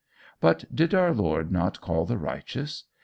"But did our Lord not call the righteous?